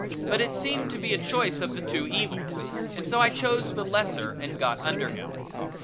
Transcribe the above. But it seemed to be a choice of the two evils, and so I chose the lesser and got under him.